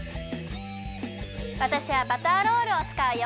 わたしはバターロールをつかうよ。